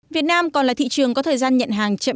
việt nam còn là thị trường có thời gian nhận hàng chậm